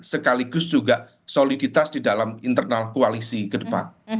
sekaligus juga soliditas di dalam internal koalisi ke depan